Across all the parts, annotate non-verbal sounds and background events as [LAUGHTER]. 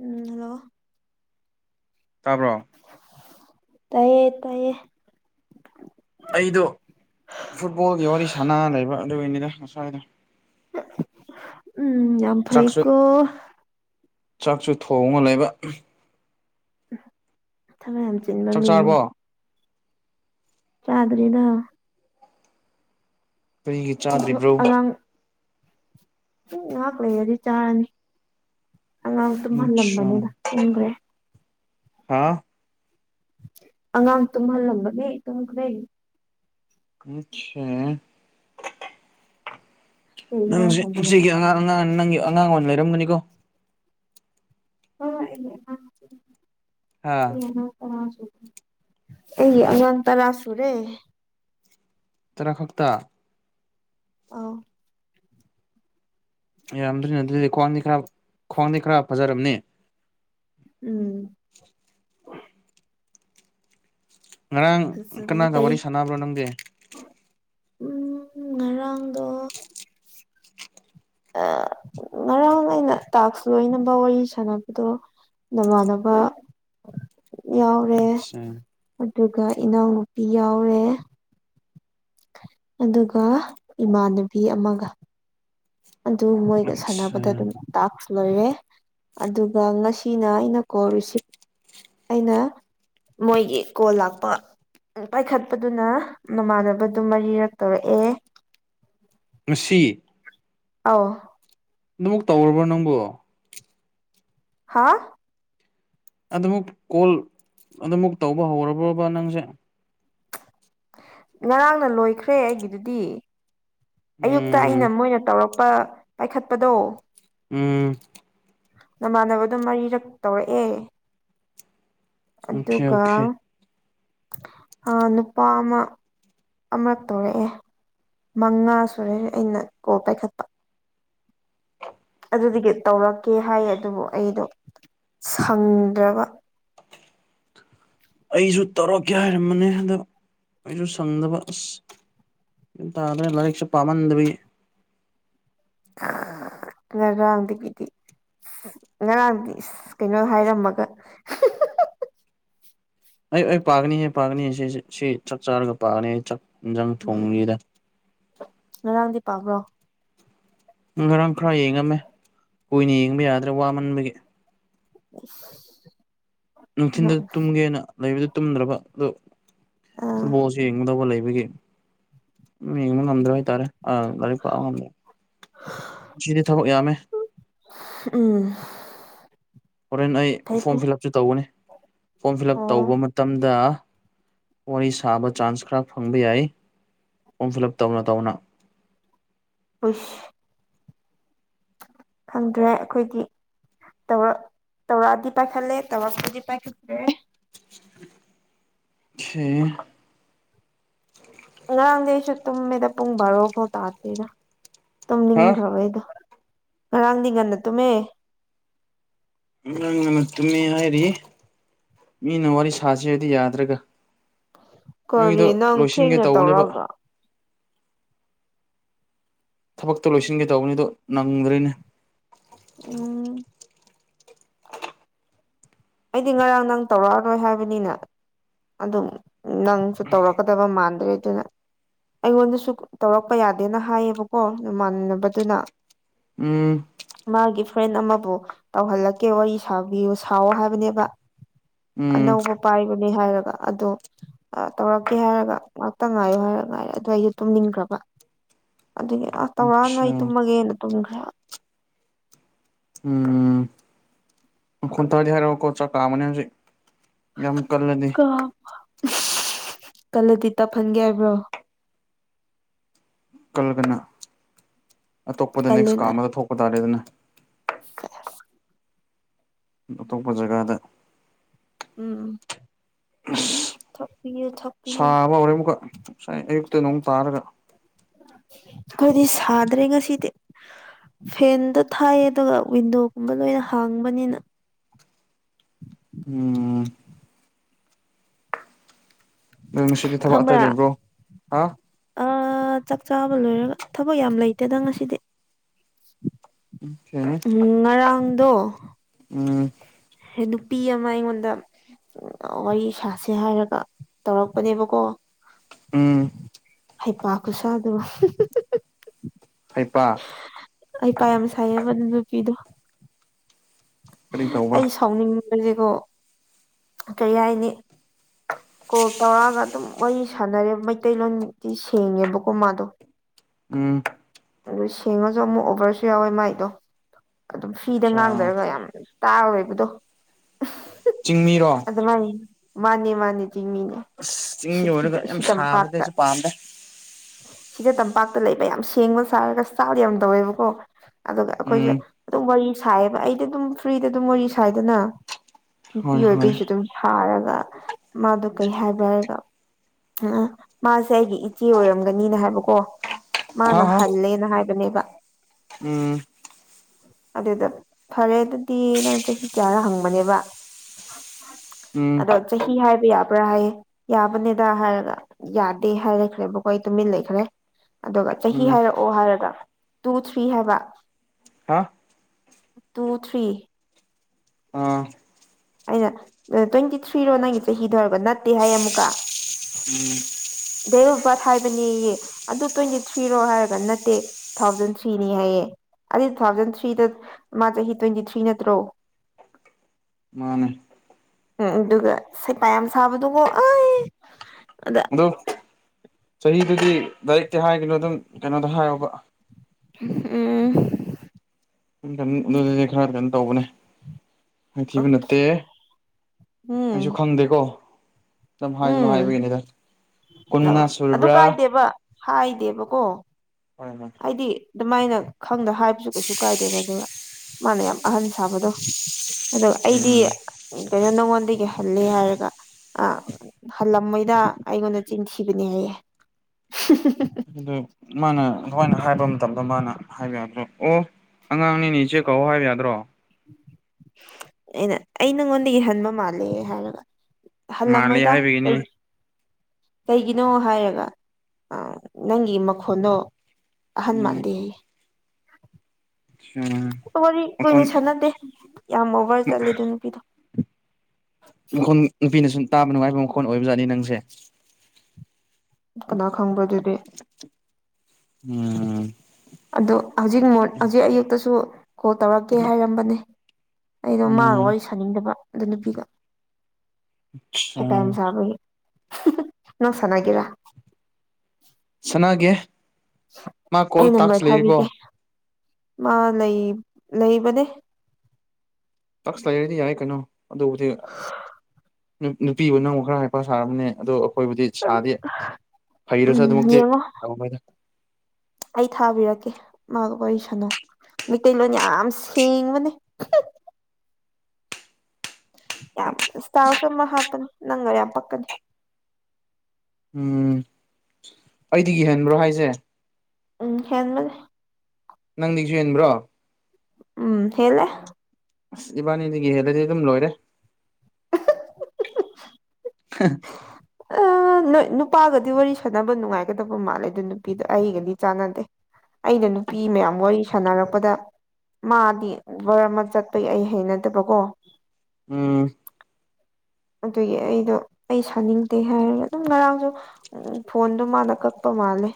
ꯎꯝ hello ꯇꯥꯕ꯭ꯔꯣ ꯇꯥꯏꯌꯦ ꯇꯥꯏꯌꯦ ꯑꯩꯗꯣ ꯐꯨꯠꯕꯣꯜꯒꯤ ꯋꯥꯔꯤ ꯁꯅꯥ ꯂꯩꯕ ꯑꯗꯨ ꯑꯣꯏꯅꯤꯗ ꯑꯁ꯭ꯋꯥꯏꯗ ꯎꯝ ꯆꯥꯛꯁꯨ ꯌꯥꯝꯐꯩꯀ ꯆꯥꯛꯁꯨ ꯊꯣꯡꯉ ꯂꯩꯕ ꯊꯕꯛ ꯌꯥꯝ ꯆꯤꯟꯕ ꯆꯥꯛ ꯆꯥꯔꯕꯣ ꯃꯤꯅꯤꯅꯦ ꯆꯥꯗꯔꯤꯗ ꯀꯔꯤꯒꯤ ꯆꯥꯗ꯭ꯔꯤꯕ꯭ꯔꯣ ꯎꯝ ꯉꯥꯏꯍꯥꯛ ꯂꯩꯔꯗꯤ ꯆꯥꯔꯅꯤ ꯑꯉꯥꯡ ꯑꯆꯥ ꯇꯨꯝꯍꯜꯂꯝꯕꯅꯤꯅ ꯇꯨꯝꯈ꯭ꯔꯦ ꯍꯥ ꯑꯉꯥꯡ ꯇꯨꯝꯍꯜꯂꯝꯕꯅꯦ ꯇꯈ꯭ꯔꯅꯤ ꯑꯆꯥ ꯀꯩ ꯏꯟꯖꯥꯡ ꯅꯪꯁꯦ ꯊꯣꯡꯕ ꯏꯆꯦꯒꯤ ꯅꯪꯗꯤ ꯑꯉꯥꯡ ꯑꯉꯥꯡ ꯅꯪꯒꯤ ꯑꯉꯥꯡ ꯑꯣꯏꯅ ꯂꯩꯔꯝꯒꯅꯤꯀꯣ ꯍ ꯍꯥ ꯇꯁꯨ ꯑꯩ ꯑꯣꯟꯇꯔꯁꯨ ꯔꯦ ꯇꯔ ꯐꯛꯇ ꯑ ꯌꯥꯝꯗꯗꯤ ꯅꯠꯇꯦꯗꯤ ꯈ꯭ꯋꯥꯡꯗꯤ ꯈꯔ ꯈ꯭ꯋꯥꯡꯗꯤ ꯈꯔ ꯐꯖꯔꯝꯅꯦ ꯎꯝ ꯉꯔꯥꯡ ꯐꯖꯕꯅ ꯀꯅꯥꯒ ꯀꯩ ꯋꯥꯔꯤ ꯁꯥꯟꯅꯕ꯭ꯔꯣ ꯅꯪꯒꯤ ꯎꯝ ꯉꯔꯥꯡꯗ [UNINTELLIGIBLE] ꯉꯔꯥꯡ ꯑꯩꯅ ꯇꯥꯛꯁ ꯂꯣꯏꯅꯕ ꯋꯥꯔꯤ ꯁꯥꯟꯅꯕꯗꯣ ꯅꯃꯅꯕ ꯌꯥꯎꯔꯦ ꯑꯠꯁꯥ ꯑꯗꯨꯒ ꯏꯅꯥꯎꯅꯨꯄꯤ ꯌꯥꯎꯔꯦ ꯑꯗꯨꯒ ꯏꯃꯥꯟꯅꯕꯤ ꯑꯃꯒ ꯑꯗꯨ ꯃꯣꯏꯒ ꯑꯠꯁꯥ ꯁꯥꯟꯅꯕꯗ ꯑꯗꯨꯝ ꯇꯥꯛꯈ ꯂꯣꯏꯔꯦ ꯑꯗꯨꯒ ꯉꯁꯤꯅ ꯑꯩꯅ ꯀꯣꯜ ꯔꯤꯁꯤꯞ ꯑꯩꯅ ꯃꯣꯏꯒꯤ ꯀꯣꯜ ꯂꯥꯛꯄ ꯄꯥꯏꯈꯠꯄꯗꯨꯅ ꯃꯃꯥꯟꯅꯕꯗꯨ ꯃꯔꯤꯔꯛ ꯇꯧꯔꯛꯑꯦ ꯃꯁꯤ ꯑ ꯑꯗꯨꯛ ꯇꯧꯔꯕ꯭ꯔꯣ ꯅꯪꯕꯨꯣ ꯍꯥꯥ ꯑꯗꯨꯃꯛ ꯀꯣꯜ ꯑꯗꯨꯝꯨꯛ ꯇꯧꯕ ꯍꯧꯔꯕ꯭ꯔꯕ ꯅꯪꯁꯦ ꯉꯔꯥꯡꯅ ꯂꯣꯏꯈ꯭ꯔꯦ ꯑꯩꯒꯤꯗꯨꯗꯤ ꯑꯌꯨꯛꯇ ꯎꯝ ꯑꯩꯅ ꯃꯣꯏꯅ ꯇꯧꯔꯛ ꯄꯥꯏꯈꯠꯄꯗꯣ ꯎꯝ ꯅꯃꯥꯟꯅꯕꯗꯣ ꯃꯔꯤꯔꯛ ꯇꯧꯔꯛꯑꯦ ꯑꯣꯀꯦ ꯑꯗꯨꯒ ꯑꯣꯀꯦ ꯅꯨꯄꯥ ꯑꯃ ꯑꯃꯔꯛ ꯇꯧꯔꯛꯑꯦ ꯃꯉꯥ ꯁꯨꯔꯦ ꯑꯩꯅ ꯀꯣ ꯄꯥꯏꯈꯠꯄ ꯑꯗꯨꯗꯒꯤ ꯇꯧꯔꯛꯀꯦ ꯍꯥꯏꯌꯦ ꯑꯗꯨꯕꯨ ꯑꯩꯗꯣ ꯁꯪꯗ꯭ꯔꯕ ꯑꯩꯁꯨ ꯇꯧꯔꯛꯀꯦ ꯍꯥꯏꯔꯝꯕꯅꯤ ꯍꯥꯏꯗ ꯑꯩꯁꯨ ꯁꯪꯗꯕ ꯑꯁ ꯌ ꯇꯥꯗꯅ ꯂꯥꯏꯔꯤꯛꯁꯨꯦ ꯄꯥꯝꯍꯟꯗꯕꯤ ꯑꯔ ꯋꯥꯗꯤ ꯀꯗꯤ ꯉꯔꯥꯡꯗꯤ ꯀꯩꯅꯣ ꯍꯥꯏꯔꯝꯃꯒ ꯑꯩ ꯑꯩ ꯄꯥꯛꯅꯤꯍꯦ ꯄꯥꯛꯅꯤ ꯁꯤ ꯁꯤ ꯆꯥꯛ ꯆꯥꯔꯒ ꯄꯥꯛꯒꯅꯤ ꯑꯩ ꯏꯟꯖꯥꯡ ꯎꯝ ꯊꯣꯡꯂꯤꯗ ꯉꯔꯥꯡꯗꯤ ꯄꯥꯕ꯭ꯔꯣ ꯉꯔꯥꯡ ꯈꯔ ꯌꯦꯡꯉꯝꯃꯦ ꯀꯨꯏꯅ ꯌꯦꯡꯕ ꯌꯥꯗ꯭ꯔꯥ ꯋꯥꯃꯟꯕꯒꯤ [UNINTELLIGIBLE] ꯅꯨꯡꯊꯤꯟꯗ ꯎꯝ ꯇꯨꯝꯒꯦꯅ ꯂꯩꯕꯗꯨ ꯇꯨꯝꯗ꯭ꯔꯕ ꯑꯗꯣ ꯐꯨꯠꯕꯣꯜꯁ ꯌꯦꯡꯒꯗꯧꯕ ꯂꯩꯕ ꯌꯦꯡꯕ ꯉꯝꯗ꯭ꯔꯣ ꯍꯥꯏꯇꯥꯔꯦ ꯑ ꯂꯥꯏꯔꯤꯛ ꯄꯥꯛ ꯉꯝꯗ꯭ꯔ ꯉꯁꯤꯗꯤ ꯊꯕꯛ ꯌꯥꯝꯃꯦ ꯎꯝ ꯍꯣꯔꯦꯟ ꯑꯩ ꯐꯣꯔꯝ ꯐꯤꯜ ꯎꯞꯁꯨ ꯇꯧꯒꯅꯤ ꯐꯣꯔꯝ ꯐꯤꯜ ꯎꯞ ꯑꯣ ꯇꯧꯕ ꯃꯇꯝꯗ ꯋꯥꯔꯤ ꯁꯥꯕ ꯆꯥꯟꯁ ꯈꯔ ꯐꯪꯕ ꯌꯥꯏ ꯐꯣꯝ ꯐꯤꯜ ꯑꯞ ꯇꯧꯅ ꯇꯧꯅ ꯈꯨꯁ ꯈꯪꯗ꯭ꯔꯦ ꯑꯩꯈꯣꯏꯒꯤ ꯇꯧ ꯇꯧꯔꯥꯗꯄꯥ ꯈꯂ ꯇꯧ ꯐꯄꯥ ꯈꯦ ꯁꯤꯦ ꯉꯔꯥꯡꯗꯤ ꯑꯩꯁꯨ ꯇꯨꯝꯃꯦꯗ ꯄꯨꯡ ꯕꯥꯔꯣꯐꯥꯎ ꯇꯥꯗꯦꯗ ꯍꯥ ꯇꯨꯝꯅꯤꯡꯈ꯭ꯔꯕꯦꯗꯣ ꯉꯔꯥꯡꯗꯤ ꯉꯟꯅ ꯇꯨꯝꯃꯦ ꯑꯥꯡ ꯉꯂ ꯇꯨꯝꯃꯤ ꯍꯥꯏꯔꯤ ꯃꯤꯅ ꯋꯥꯔꯤ ꯁꯥꯁꯤ ꯍꯥꯏꯗꯤ ꯌꯥꯗ꯭ꯔꯒ ꯑꯩꯗꯣ ꯀꯔꯤ ꯅꯪ ꯂꯣꯏꯁꯤꯟꯒꯦ ꯊꯦꯡꯅ ꯇꯧꯕꯅꯦꯕ ꯇꯧꯔꯒ ꯊꯕꯛꯇꯣ ꯂꯣꯏꯁꯤꯟꯒꯦ ꯇꯧꯕꯅꯤ ꯑꯗꯣ ꯅꯪꯗ꯭ꯔꯔꯤꯅꯦ ꯎꯝ ꯑꯩꯗꯤ ꯉꯔꯥꯡ ꯅꯪ ꯇꯧꯔꯛꯑꯔꯣꯏ ꯍꯥꯏꯕꯅꯤꯅ ꯑꯗꯨꯝ ꯅꯪꯁꯨ ꯇꯧꯔꯛꯀꯗꯕ ꯃꯥꯟꯗ꯭ꯔꯦ ꯑꯗꯨꯅ ꯑꯩꯉꯣꯟꯗꯁꯨ ꯇꯧꯔꯛꯄ ꯌꯥꯗꯦꯅ ꯍꯥꯏꯌꯦꯕꯀꯣ ꯅꯃꯥꯟꯅꯕꯗꯨꯅ ꯎꯝ ꯃꯥꯒꯤ ꯐ꯭ꯔꯦꯟ ꯑꯃꯕꯨ ꯇꯧꯍꯜꯂꯛꯀꯦ ꯋꯥꯔꯤ ꯁꯥꯕꯤꯌꯨ ꯁꯥꯋ ꯍꯥꯏꯕꯅꯦꯕ ꯎꯝ ꯑꯅꯧꯕ ꯄꯥꯏꯕꯅꯦ ꯍꯥꯏꯔꯒ ꯑꯗꯣ ꯇꯧꯔꯛꯀꯦ ꯍꯥꯏꯔꯒ ꯉꯥꯏꯥꯛꯇ ꯉꯥꯏꯌꯨ ꯍꯥꯏꯔꯒ ꯉꯥꯏꯔꯦ ꯑꯗꯨꯗꯣ ꯑꯩꯁꯨ ꯇꯨꯝꯅꯤꯡꯈ꯭ꯔꯕ ꯑꯗꯨꯒꯤ ꯑ ꯇꯧꯔꯅ ꯑꯆꯥ ꯑꯩ ꯇꯨꯝꯃꯒꯦꯅ ꯇꯨꯝꯈ꯭ꯔꯦ ꯎꯝ ꯈꯨ ꯊꯗꯤ ꯍꯥꯏꯔ ꯀꯣ ꯆ ꯀꯥ ꯑꯃꯅꯤꯅꯤ ꯍꯧꯖꯤ ꯌꯥꯝ ꯀꯜꯂꯗꯤ ꯀ ꯀꯜꯂꯗꯤ ꯇꯞꯍꯟꯒꯦ ꯍꯥꯏꯕ꯭ꯔꯣ ꯀꯜꯂꯒꯅ ꯑꯇꯣꯞꯄꯗ ꯅꯦꯛꯁ ꯀꯥ ꯀꯜꯂꯦꯅ ꯑꯃꯗ ꯊꯣꯛꯄ ꯇꯥꯔꯦ ꯑꯗꯨꯅ ꯑꯇꯣꯞꯄ ꯖꯒꯥꯗ ꯎꯝ ꯑ ꯊꯛꯄꯤꯌꯨ ꯊꯛꯄꯤꯌꯨ ꯁꯥꯕ ꯍꯧꯔꯦ ꯑꯃꯨꯛꯀ ꯉꯁꯥꯏ ꯑꯌꯨꯛꯇ ꯅꯣꯡꯨꯛ ꯇꯥꯔꯒ ꯑꯩꯈꯣꯏꯗꯤ ꯁꯥꯗ꯭ꯔꯦ ꯉꯁꯤꯗꯤ ꯐꯦꯟꯗ ꯊꯥꯏꯌꯦ ꯑꯗꯨꯒ ꯋꯤꯟꯗꯣꯒꯨꯝꯕ ꯂꯣꯏꯅ ꯍꯥꯡꯕꯅꯤꯅ ꯎꯝ ꯑꯗꯣ ꯉꯁꯤꯗꯤ ꯊꯕꯛ ꯈꯝꯕ꯭ꯔꯥ ꯑꯇꯩ ꯂꯩꯕ꯭ꯔꯣ ꯍꯥ ꯑ ꯆꯥꯛ ꯆꯥꯕ ꯂꯣꯏꯔꯒ ꯊꯕꯛ ꯌꯥꯝ ꯂꯩꯇꯦꯗꯪ ꯉꯁꯤꯗꯤ ꯎ ꯉꯔꯥꯡꯗꯣ ꯎꯝ ꯅꯨꯄꯤ ꯑꯃ ꯑꯩꯉꯣꯟꯗ ꯋꯥꯔꯤ ꯁꯥꯁꯦ ꯍꯥꯏꯔꯒ ꯇꯧꯔꯛꯄꯅꯦꯕꯀꯣ ꯎꯝ ꯍꯩꯄꯥ ꯈꯨꯠꯁꯥꯗ ꯍꯥꯏꯩꯄꯥ ꯑꯩ ꯄꯥꯏ ꯑꯃ ꯁꯥꯏꯌꯦꯕ ꯅꯨꯄꯤꯗꯣ ꯀꯔꯤ ꯇꯧꯕꯧꯕ ꯖꯤꯣ ꯀꯔꯤ ꯍꯥꯏꯅꯤ ꯀꯣꯜ ꯇꯧꯔꯛꯑꯒ ꯑꯗꯨꯝ ꯋꯥꯔꯤ ꯁꯥꯟꯅꯔꯦ ꯃꯩꯇꯩꯂꯣꯟꯗꯤ ꯁꯦꯡꯉꯦꯕꯀꯣ ꯃꯥꯗꯣ ꯎꯝ ꯑꯗꯨ ꯁꯦꯡꯉꯁꯨ ꯑꯃꯨꯛ ꯑꯣꯕꯔꯁꯨ ꯌꯥꯎꯋꯦ ꯃꯥꯏꯗꯣ ꯑꯗꯨꯝ ꯐꯤꯗ ꯑꯆꯥ ꯉꯥꯡꯗꯔꯒ ꯌꯥꯝ ꯇꯥꯔꯣꯏꯕꯗꯣ ꯆꯤꯡꯃꯤꯔꯣ ꯑꯗꯨꯃꯥꯏꯅ ꯃꯥꯅꯤ ꯃꯥꯅꯤ ꯆꯤꯡꯃꯤꯅꯦ ꯑꯁ ꯆꯤꯡ ꯑꯣꯏꯔꯒ ꯌꯥꯝ ꯁꯥꯕꯗꯤ ꯁꯤꯇꯝꯄꯥꯛꯇ ꯑꯩꯁꯨ ꯄꯥꯝꯗꯦ ꯁꯤꯗ ꯇꯝꯄꯥꯛꯇ ꯂꯩꯕ ꯌꯥꯝ ꯁꯦꯡꯕ ꯁꯥꯔꯒ ꯆꯥꯛꯗꯤ ꯌꯥꯝ ꯇꯧꯋꯦꯕꯀꯣ ꯑꯗꯨꯒ ꯑꯩꯈꯣꯏꯁꯦ ꯎꯝ ꯑꯗꯨꯝ ꯋꯥꯔꯤ ꯁꯥꯏꯌꯦꯕ ꯑꯩꯗꯤ ꯑꯗꯨꯝ ꯐ꯭ꯔꯤꯗ ꯑꯗꯨꯝ ꯋꯥꯔꯤ ꯁꯥꯏꯗꯅ ꯅꯨꯄꯤ ꯍꯣꯏ ꯍꯣꯏ ꯑꯣꯏꯕꯩꯁꯨ ꯑꯗꯨꯝ ꯁꯥꯔꯒ ꯃꯥꯗꯣ ꯀꯩ ꯍꯥꯏꯕ ꯍꯥꯏꯔꯒ ꯑ ꯃꯥꯁꯦ ꯑꯩꯒꯤ ꯏꯆꯦ ꯑꯣꯏꯔꯝꯒꯅꯤꯅ ꯍꯥꯏꯕꯀꯣ ꯍꯥ ꯃꯥꯅ ꯍꯥ ꯍꯜꯂꯦꯅ ꯍꯥꯏꯕꯅꯦꯕ ꯎꯝ ꯑꯗꯨꯗ ꯐꯔꯦ ꯑꯗꯨꯗꯤ ꯅꯪ ꯆꯍꯤ ꯀꯌꯥꯔ ꯍꯪꯕꯅꯦꯕ ꯎꯝ ꯑꯗꯣ ꯆꯍꯤ ꯍꯥꯏꯕ ꯌꯥꯕ ꯕ꯭ꯔ ꯍꯥꯏꯌꯦ ꯌꯥꯕꯅꯦꯗ ꯍꯥꯏꯔꯒ ꯌꯥꯗꯦ ꯍꯥꯏꯔꯛꯈ꯭ꯔꯦꯕꯀꯣ ꯑꯩ ꯇꯨꯃꯤꯟ ꯂꯩꯈ꯭ꯔꯦ ꯑꯗꯨꯒ ꯆꯍꯤ ꯎꯝ ꯍꯥꯏꯔꯛꯑꯣ ꯍꯥꯏꯔꯒ ꯇꯨ ꯊ꯭ꯔꯤ ꯍꯥꯏꯕ ꯍꯥ ꯇꯨ ꯊ꯭ꯔꯤ ꯑꯥ ꯑꯩꯅ ꯇ꯭ꯋꯦꯟꯇꯤ ꯊ꯭ꯔꯤꯔꯣ ꯅꯪꯒꯤ ꯆꯍꯤꯗꯣꯏꯒ ꯅꯠꯇꯦ ꯍꯥꯏꯌꯦ ꯑꯃꯨꯛꯀ ꯗꯦꯠ ꯑꯣꯐ ꯕꯥꯔꯠ ꯍꯥꯏꯕꯅꯦꯌꯦ ꯑꯗꯨ ꯇ꯭ꯋꯦꯟꯇꯤ ꯊ꯭ꯔꯤꯔꯣ ꯍꯥꯏꯔꯒ ꯅꯠꯇꯦ ꯊꯥꯎꯖꯟ ꯊ꯭ꯔꯤꯅꯤ ꯍꯥꯏꯌꯦ ꯑꯩ ꯇꯨ ꯊꯥꯎꯖꯟ ꯊ꯭ꯔꯤꯗ ꯃꯥ ꯆꯍꯤ ꯇ꯭ꯋꯦꯟꯇꯤ ꯊ꯭ꯔꯤ ꯅꯠꯇ꯭ꯔꯣ ꯃꯥꯅꯦ ꯎꯝ ꯑꯗꯨꯒ ꯁꯦꯐ ꯌꯥꯝ ꯁꯕꯗꯉ ꯑꯩ ꯑꯗ ꯑꯗꯨ ꯆꯍꯤꯗꯨꯗꯤ ꯗꯥꯏꯔꯦꯛꯇꯤ ꯍꯥꯏꯒꯅꯣ ꯑꯗꯨꯝ ꯀꯩꯅꯣꯗ ꯍꯥꯏꯌꯣꯕ ꯎꯝ ꯇ ꯑꯗꯨꯗꯤ ꯈꯔ ꯀꯩꯅꯣ ꯇꯧꯕꯅꯦ ꯃꯊꯤꯕ ꯑꯣꯀꯦ ꯅꯠꯇꯦ ꯎꯝ ꯑꯩꯁꯨ ꯈꯪꯗꯦꯀꯣ ꯀꯝ ꯍꯥꯏꯒꯅꯣ ꯎꯝ ꯍꯥꯏꯕꯒꯤꯅꯤꯗ ꯀꯨꯟ ꯃꯉꯥ ꯁꯨꯔꯕ꯭ꯔꯥ ꯍ ꯏꯗꯦꯕ ꯀꯣ ꯍꯣꯏ ꯍꯣꯏ ꯑꯗꯨꯃꯥꯏꯅ ꯈꯪꯗ ꯍꯥꯏꯕꯁꯨ ꯀꯩꯁꯨ ꯀꯥꯏꯗꯦꯕ ꯑꯗꯨꯒ ꯃꯥꯅ ꯌꯥꯝ ꯑꯍꯟ ꯁꯥꯕꯗꯣ ꯑꯗꯣ ꯑꯩꯗꯤ ꯎꯝ ꯀꯩꯅꯣ ꯅꯉꯣꯟꯗꯒꯤ ꯍꯂꯦ ꯍꯥꯏꯔꯒ ꯑ ꯍꯜꯂꯝꯉꯩꯗ ꯑꯩꯉꯣꯟꯗ ꯆꯤꯟꯈꯤꯕꯅꯦ ꯍꯥꯏꯌꯦꯦ ꯑꯗꯨ ꯃꯥꯅ ꯍꯣꯏꯅ ꯍꯥꯏꯕ ꯃꯇꯝꯗ ꯃꯥꯅ ꯍꯥꯏꯕ ꯌꯥꯗ꯭ꯔꯣ ꯑꯣ ꯑꯉꯥꯡꯅꯤꯅꯤ ꯏꯆꯦ ꯀꯧꯣ ꯍꯥꯏꯕ ꯌꯥꯗ꯭ꯔꯣ ꯑꯩꯅ ꯑꯩ ꯅꯪꯉꯣꯟꯗꯒꯤ ꯍꯟꯕ ꯃꯥꯜꯂꯦ ꯍꯥꯏꯔꯒ ꯃꯥꯜꯂꯤ ꯍꯜꯂꯝꯃꯣꯏꯗ ꯀ ꯍꯥꯏꯕꯒꯤꯅꯤ ꯀꯩꯒꯤꯅꯣ ꯍꯥꯏꯔꯒ ꯅꯪꯒꯤ ꯃꯈꯣꯟꯗꯣ ꯎꯝ ꯑꯍꯟꯃꯥꯟꯗ ꯋꯥꯔꯤ ꯃꯈꯣꯟ ꯀꯨꯏꯅ ꯁꯥꯟꯅꯗꯦ ꯌꯥꯝ ꯑꯣꯚꯔ ꯆꯠꯂꯦꯗ ꯅꯨꯄꯤꯗꯣ ꯃꯈꯣꯟ ꯅꯨꯄꯤꯅ ꯁꯨꯝ ꯇꯥꯕ ꯅꯨꯡꯉꯥꯏꯕ ꯃꯈꯣꯟ ꯑꯣꯏꯕꯖꯥꯠꯅꯤ ꯅꯪꯁꯦ ꯀꯅꯥ ꯈꯪꯕ꯭ꯔ ꯑꯗꯨꯗꯤ ꯎꯝ ꯑꯗ ꯍꯧꯖꯤꯛ ꯃ ꯍꯧꯖꯤꯛ ꯑꯌꯨꯛꯇꯁꯨ ꯀꯣꯜ ꯇꯧꯔꯛꯀꯦ ꯍꯥꯏꯔꯝꯕꯅꯦ ꯑꯩꯅꯣ ꯃꯥꯒ ꯎꯝ ꯋꯥꯔꯤ ꯁꯥꯅꯤꯡꯗꯕ ꯑꯗ ꯅꯨꯄꯤꯒ ꯑꯆꯥ ꯅ ꯆꯅꯒꯔꯥ ꯆꯉꯒꯦ ꯑꯩ ꯅꯝꯕꯔ ꯊꯥꯕꯤꯒꯦ ꯃꯥ ꯂꯩ ꯂꯩꯕꯅꯦ ꯇꯛꯁ ꯂꯩꯔꯗꯤ ꯌꯥꯏ ꯀꯩꯅꯣ ꯑꯗꯨꯕꯨꯗꯤ ꯅꯨꯄꯤꯕꯨ ꯅꯪꯕꯨ ꯈꯔ ꯍꯥꯏꯄꯥ ꯁꯥꯔꯝꯕꯅꯦ ꯑꯗꯣ ꯑꯩꯈꯣꯏꯕꯨꯗꯤ ꯁꯥꯗꯤ ꯍꯩꯔꯁꯨ ꯎꯝ ꯑꯗꯨꯃꯛꯇꯤ ꯌꯦꯡꯉꯣ ꯑꯩ ꯊꯥꯕꯤꯔꯛꯀꯦ ꯑꯣꯏꯁꯅꯨ ꯃꯩꯇꯩꯂꯣꯟ ꯌꯥꯝ ꯁꯦꯡꯕꯅꯦ [INAUDIBLE] [UNINTELLIGIBLE] ꯌꯥꯝꯥ ꯁꯃ ꯍꯥꯇꯝ ꯅꯪꯉ ꯌꯥꯝ ꯄꯀꯅꯤ ꯎꯝ ꯑꯩꯗꯤꯗꯒꯤ ꯍꯦꯟꯕ꯭ꯔꯣ ꯍꯥꯏꯁꯦ ꯎꯝ ꯍ ꯃꯅꯦ ꯅꯪꯗꯤꯁꯨ ꯍꯦꯟꯕ꯭ꯔꯣ ꯎꯝ ꯍꯦꯂꯦ ꯑꯁ ꯏꯕꯥꯅꯤꯗꯒꯤ ꯍꯦꯜꯂꯗꯤ ꯑꯗꯨꯝ ꯂꯣꯏꯔꯦ [UNINTELLIGIBLE] [INAUDIBLE] [INAUDIBLE] [UNINTELLIGIBLE] ꯑ ꯅ ꯅꯨꯄꯥꯒꯗꯤ ꯋꯥꯔꯤ ꯁꯥꯟꯅꯕ ꯅꯨꯡꯉꯥꯏꯒꯗꯕ ꯃꯥꯜꯂꯦ ꯑꯗ ꯅꯨꯄꯤꯗꯣ ꯑꯩꯒꯗꯤ ꯆꯥꯟꯅꯗꯦ ꯑꯩꯅ ꯅꯨꯄꯤ ꯃꯌꯥꯝ ꯋꯥꯔꯤ ꯁꯥꯟꯅꯔꯛꯄꯗ ꯃꯥꯗꯤ ꯕꯔꯃ ꯆꯠꯄꯩ ꯑꯩ ꯍꯩꯅꯗꯕꯀꯣ ꯑꯥ ꯑꯗꯨꯒꯤ ꯑꯩꯗꯣ ꯑꯩ ꯁꯥꯅꯤꯡꯗꯦ ꯍꯥꯏꯔꯒ ꯑꯗꯨꯝ ꯉꯔꯥꯡꯁꯨ ꯐꯣꯟꯗꯣ ꯃꯥꯅ ꯀꯛꯄ ꯧ ꯃꯥꯜꯂꯦ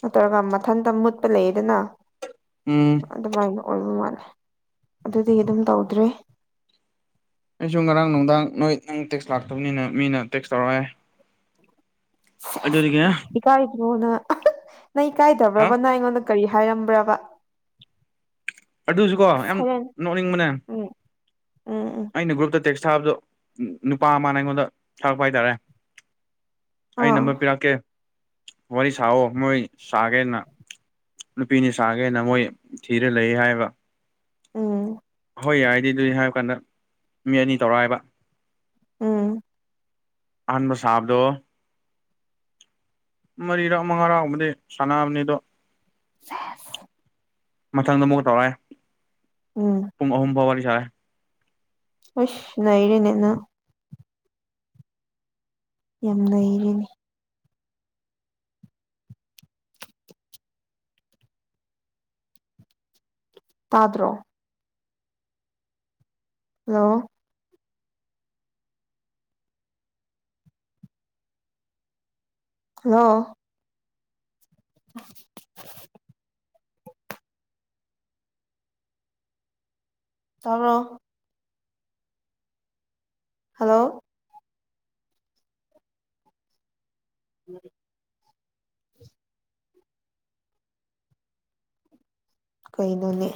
ꯅꯠꯇ꯭ꯔꯒ ꯃꯊꯟꯇ ꯃꯨꯠꯄ ꯂꯩꯌꯦꯗꯅ ꯎꯝ ꯑꯗꯨꯃꯥꯏꯅ ꯑꯣꯏꯕ ꯃꯥꯜꯂꯦ ꯑꯗꯨꯗꯤ ꯑꯗꯨꯝ ꯇꯧꯗ꯭ꯔꯦ ꯑꯩꯁꯨ ꯉꯔꯥꯡ ꯅꯨꯡꯗꯥꯡ ꯅꯣꯏ ꯅꯪ ꯇꯦꯛꯁ ꯂꯥꯛꯇꯕꯅꯤꯅ ꯃꯤꯅ ꯇꯦꯛꯁ ꯇꯧꯔꯛꯑꯦ ꯑꯗꯨꯗꯒꯤ ꯏꯀꯥꯏꯗ꯭ꯔꯣꯅ ꯅꯪ ꯏ ꯍꯥ ꯀꯥꯏꯗꯕ꯭ꯔꯕꯅ ꯑꯩꯉꯣꯟꯗ ꯀꯔꯤ ꯍꯥꯏꯔꯝꯕ꯭ꯔꯕ ꯑꯗꯨꯁꯨꯀꯣ ꯌꯥꯝ ꯁꯔꯦꯟ ꯅꯣꯛꯅꯤꯡꯕꯅꯦ ꯎꯝ ꯎꯝ ꯎꯝ ꯑꯩꯅ ꯒ꯭ꯔꯨꯞꯇ ꯇꯦꯛꯁ ꯊꯥꯕꯗꯣ ꯅꯨꯄꯥ ꯑꯃꯅ ꯑꯩꯉꯣꯟꯗ ꯊꯥꯔꯛꯄ ꯍꯥꯏꯇꯥꯔꯦ ꯑꯩ ꯅꯝꯕꯔ ꯑꯥ ꯄꯤꯔꯛꯀꯦ ꯋꯥꯔꯤ ꯁꯥꯑꯣ ꯃꯣꯏ ꯁꯥꯒꯦꯅ ꯅꯨꯄꯤꯅꯤ ꯁꯥꯒꯦꯅ ꯃꯣꯏ ꯊꯤꯔ ꯂꯩ ꯍꯥꯏꯕ ꯎꯝ ꯑꯍꯣꯏ ꯌꯥꯏꯗꯤ ꯑꯗꯨꯗꯤ ꯍꯥꯏꯔ ꯀꯥꯟꯗ ꯃꯤ ꯑꯅꯤ ꯇꯧꯔꯛꯏꯕ ꯎꯝ ꯑꯍꯟꯥꯟꯕ ꯁꯥꯕꯗꯣ ꯃꯔꯤꯔꯥꯛ ꯃꯉꯥꯔꯥꯎꯕꯗꯤ ꯁꯥꯟꯅꯕꯅꯤ ꯑꯗꯣ ꯆꯦꯁ ꯃꯊꯪꯗ ꯑꯃꯨꯛꯀ ꯇꯧꯔꯛꯑꯦ ꯎꯝ ꯄꯨꯡ ꯑꯍꯨꯝ ꯐꯥꯎꯕ ꯋꯥꯔꯤ ꯁꯥꯔꯦ ꯑꯁ ꯅ ꯏꯦꯅꯦꯅ ꯌꯥꯝ ꯂꯩꯔꯦꯅꯦ ꯇꯥꯗ꯭ꯔꯣ ꯍꯜꯂꯣ ꯑ [UNINTELLIGIBLE] ꯇꯔꯣ ꯍꯜꯂꯣ ꯎꯝ ꯀꯩꯅꯣꯅꯦ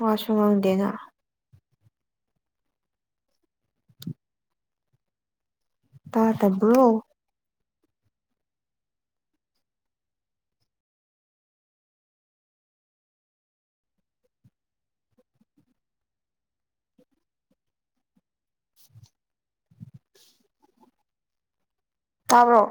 ꯃꯥꯁꯨ ꯉꯪꯗꯦꯅ ꯇꯥ ꯇꯕ꯭ꯔꯣ [UNINTELLIGIBLE] ꯇꯥꯕ꯭ꯔꯣ